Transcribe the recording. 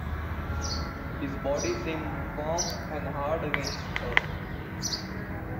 His body seemed firm and hard against her.